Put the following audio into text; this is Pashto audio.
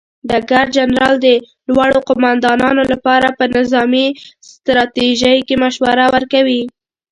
ډګر جنرال د لوړو قوماندانانو لپاره په نظامي ستراتیژۍ کې مشوره ورکوي.